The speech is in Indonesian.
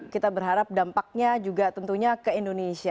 kita berharap dampaknya juga tentunya ke indonesia